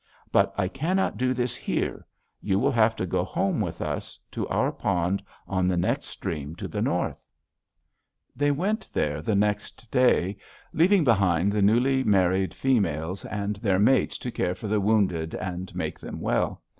But I cannot do this here; you will have to go home with us, to our pond on the next stream to the north.' [Illustration: BIGHORN COUNTRY. HEAD OF CUTBANK RIVER] "They went there the next day, leaving behind the newly married females and their mates to care for the wounded and make them well.